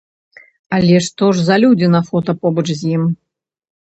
Але што ж за людзі на фота побач з ім?